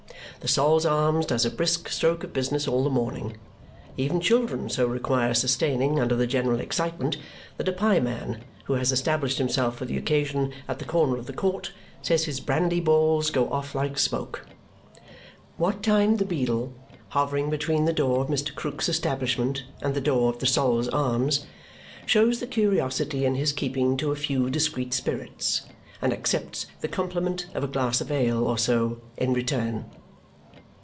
The Sol's Arms does a brisk stroke of business all the morning. Even children so require sustaining under the general excitement that a pieman who has established himself for the occasion at the corner of the court says his brandy balls go off like smoke. What time the beadle, hovering between the door of Mr. Krook's establishment and the door of the Sol's Arms, shows the curiosity in his keeping to a few discreet spirits and accepts the compliment of a glass of ale or so in return.